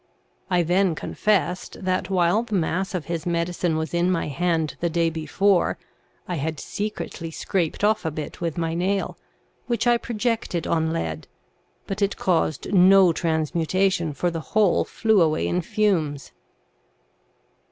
I then confessed, that while the mass of his medicine was in my hand the day before, I had secretly scraped off a bit with my nail, which I projected on lead, but it caused no transmutation, for the whole flew away in fumes.